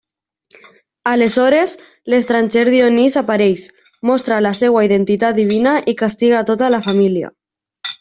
Aleshores, l'estranger Dionís apareix, mostra la seva identitat divina i castiga tota la família.